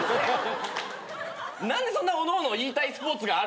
何でそんなおのおのの言いたいスポーツがあるんだよ。